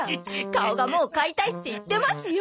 顔がもう「買いたい」って言ってますよ！